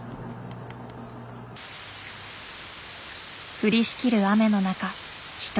降りしきる雨の中一人。